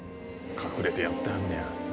隠れてやってはんねや。